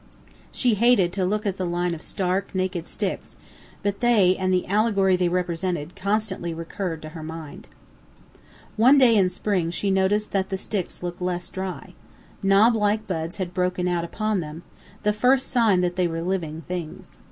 She hated to look at the line of stark, naked sticks, but they, and the "allegory" they represented, constantly recurred to her mind. One day in spring she noticed that the sticks looked less dry. Knob like buds had broken out upon them, the first sign that they were living things.